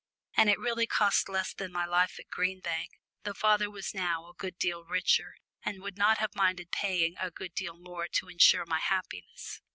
And it really cost less than my life at Green Bank, though father was now a good deal richer, and would not have minded paying a good deal more to ensure my happiness.